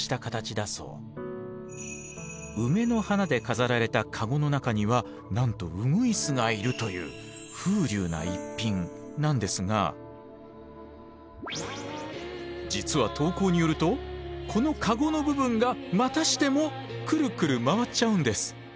梅の花で飾られた籠の中にはなんとうぐいすがいるという風流な逸品なんですが実は投稿によるとこの籠の部分がまたしてもくるくる回っちゃうんです。